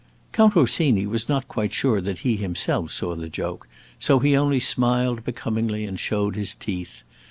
Count Orsini was not quite sure that he himself saw the joke, so he only smiled becomingly and showed his teeth.